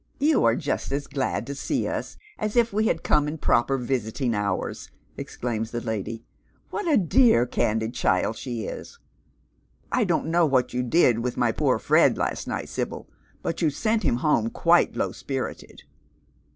" You are just as glad to see us as if we had come in proper visiting hours," exclaims the lady. " What a dear candid child she is ! I don't know what you did with my poor Fred last night, Sibyl, but you sent him home quite low spirited."